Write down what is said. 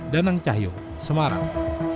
danang cahyuk semarang